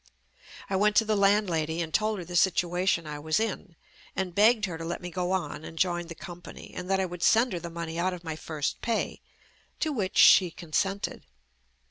I went to the landlady and told her the situation I was in and begged her to let me go on and join the company, and that I would send her the money out of my first pay, to which she consented.